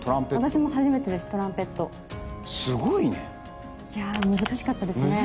私も初めてですトランペットすごいねいや難しかったですね